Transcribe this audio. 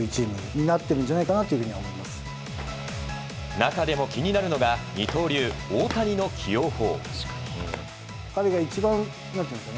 中でも気になるのが二刀流・大谷の起用法。